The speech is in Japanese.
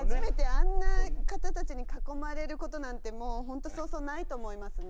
あんな方たちに囲まれることなんてもう本当そうそうないと思いますね。